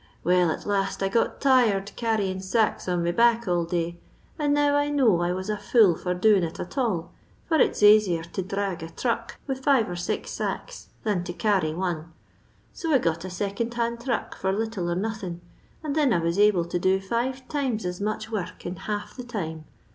Well, at last I got tired carryin SMks on me back all day, and now I know I was a fool for doin it at all, for it's asier to dbrag a thmck with five or six sacks than to carry one ; so I got a second hand thruck for little or nothin, and thin I was able to do five times as much work in half the time.